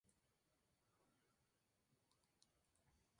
Ambos tuvieron una pelea con Derek en público.